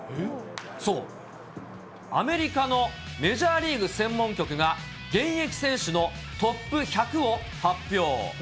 そう、アメリカのメジャーリーグ専門局が現役選手のトップ１００を発表。